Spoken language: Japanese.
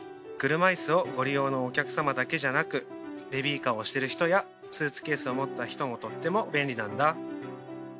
車いすをご利用のお客様だけじゃなくベビーカーを押してる人やスーツケースを持った人もとっても便利なんだ。